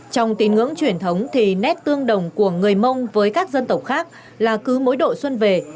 trong tín ngưỡng truyền thống thì nét tương đồng của người mông với các dân tộc khác là cứ mỗi độ xuân về